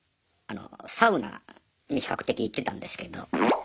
サウナに比較的行ってたんですけど。